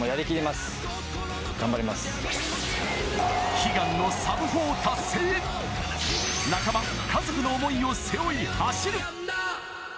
悲願のサブ４達成へ仲間、家族の思いを背負い走る。